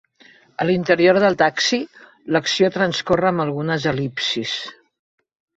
A l'interior del taxi l'acció transcorre amb algunes el·lipsis.